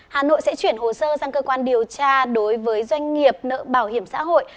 hà nội sẽ chuyển hồ sơ sang cơ quan điều tra đối với doanh nghiệp nợ bảo hiểm xã hội